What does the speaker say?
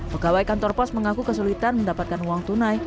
pegawai kantor pos mengaku kesulitan mendapatkan uang tunai